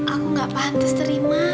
aku nggak pantes terima